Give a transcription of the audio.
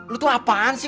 lu tuh apaan sih